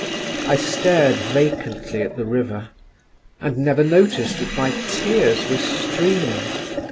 I stared vacantly at the river, and never noticed that my tears were streaming.